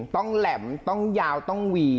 แหลมต้องยาวต้องหวี